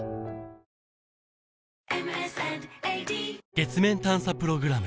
月面探査プログラム